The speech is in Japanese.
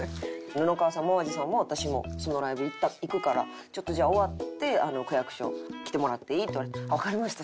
布川さんも淡路さんも私もそのライブ行くからちょっとじゃあ終わって「区役所来てもらっていい？」って言われて「わかりました。